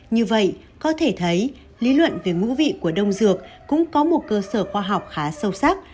như vậy có thể thấy lý luận về ngũ vị của đông dược cũng có một cơ sở khoa học khá sâu sắc